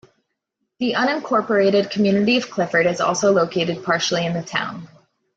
The unincorporated community of Clifford is also located partially in the town.